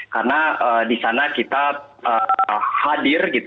karena di sana kita hadir